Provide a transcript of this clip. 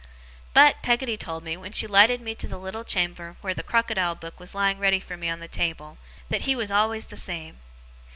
But, Peggotty told me, when she lighted me to a little chamber where the Crocodile book was lying ready for me on the table, that he always was the same.